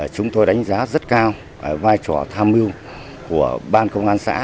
chúng tôi đánh giá rất cao vai trò tham mưu của ban công an xã